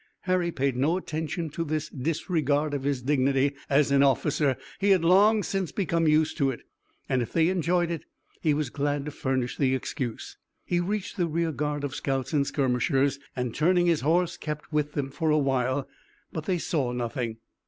Harry paid no attention to this disregard of his dignity as an officer. He had long since become used to it, and, if they enjoyed it, he was glad to furnish the excuse. He reached the rear guard of scouts and skirmishers, and, turning his horse, kept with them for a while, but they saw nothing.